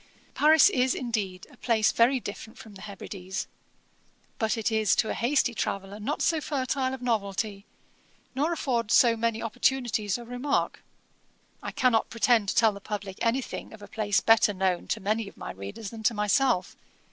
'Paris is, indeed, a place very different from the Hebrides, but it is to a hasty traveller not so fertile of novelty, nor affords so many opportunities of remark. I cannot pretend to tell the publick any thing of a place better known to many of my readers than to myself.